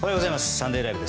「サンデーＬＩＶＥ！！」